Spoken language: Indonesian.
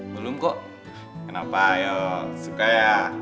belum kok kenapa yol suka ya